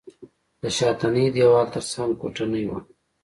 د شاتني دېوال تر څنګ کوټنۍ وه.